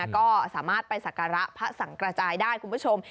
ก็สามารถไปสักการะพระสังกระจายได้คุณผู้ชม